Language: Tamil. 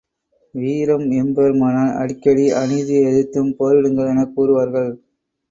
வீரம் எம்பெருமானார் அடிக்கடி அநீதியை எதிர்த்தும் போரிடுங்கள் எனக் கூறுவார்கள்.